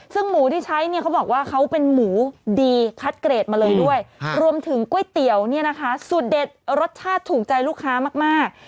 ซึ่งหมูที่ใช้เนี่ยเขาบอกว่าเขาเป็นหมูดีคัดเกรดมาเลยด้วยรวมถึงก๋วยเตี๋ยวเนี่ยนะคะสุดเด็ดรสชาติถูกใจลูกค้ามาก